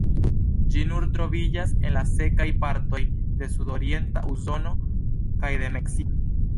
Ĝi nur troviĝas en la sekaj partoj de sudorienta Usono kaj de Meksiko.